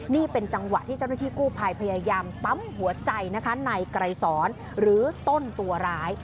นี่เป็นจังหวะที่เจ้าหน้าที่กู้ภัยพยายามปั๊มหัวใจนะคะในไกรสอนหรือต้นตัวร้าย